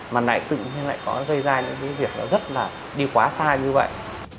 mà lại tự nhiên lại có gây ra những cái việc nó rất là đi quá xa như vậy